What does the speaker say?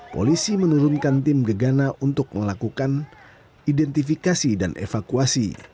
polisi menurunkan tim gegana untuk melakukan identifikasi dan evakuasi